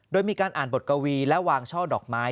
โดยมีการอ่านบทกวีและวางช่อดอกไม้